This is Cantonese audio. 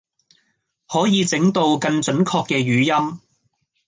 可以整到更準確嘅語音